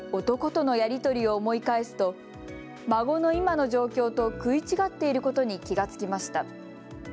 男とのやり取りを思い返すと孫の今の状況と食い違っていることに気が付きました。